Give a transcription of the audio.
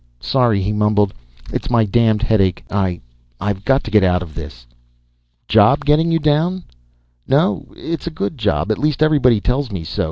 "Sorry," he mumbled. "It's my damned headache. I I've got to get out of this." "Job getting you down?" "No. It's a good job. At least everybody tells me so.